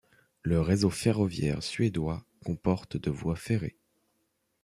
Le réseau ferroviaire suédois comporte de voies ferrées.